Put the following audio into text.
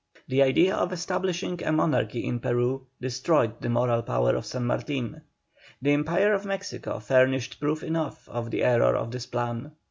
The idea of establishing a monarchy in Peru destroyed the moral power of San Martin. The empire of Mexico furnished proof enough of the error of this plan.